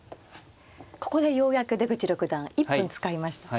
ここでようやく出口六段１分使いましたね。